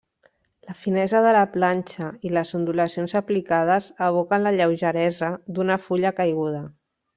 La finesa de la planxa i les ondulacions aplicades evoquen la lleugeresa d'una fulla caiguda.